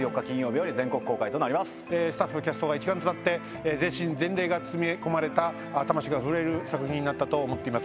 スタッフキャストが一丸となって全身全霊が詰め込まれた魂が震える作品になったと思っています。